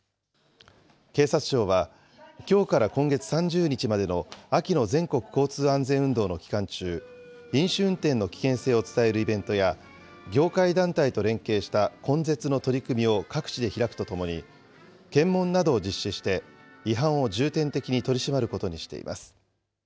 警察庁は、きょうから今月３０日までの秋の全国交通安全運動の期間中、飲酒運転の危険性を伝えるイベントや、業界団体と連携した根絶の取り組みを各地で開くとともに、検問などを実施して違反を重点的に取り締まることにしています。